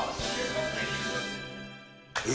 え？